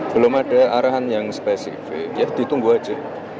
belum ada arahan yang spesifik ya ditunggu aja